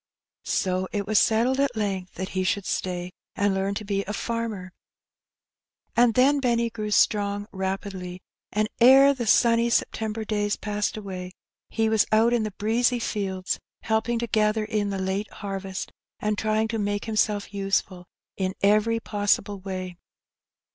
So it was settled at length that he should stay, and learn to be a farmer; and then Benny grew strong rapidly, and ere the sunny September days passed away, he was out in the breezy fields helping to gather in the late harvest, and trying to make himself useful in every possible way.